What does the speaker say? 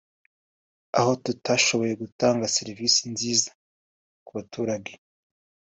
aho tutashoboye gutanga serivisi nziza ku baturage’